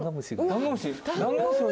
ダンゴムシ！